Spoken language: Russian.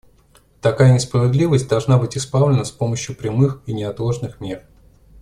Такая несправедливость должна быть исправлена с помощью прямых и неотложных мер.